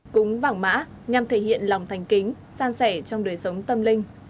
cúng vàng mã nhằm thể hiện lòng thành kính san sẻ trong đời sống của chúng ta